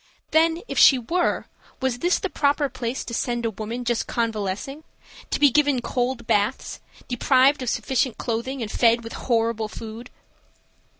Then if she were, was this the proper place to send a woman just convalescing, to be given cold baths, deprived of sufficient clothing and fed with horrible food?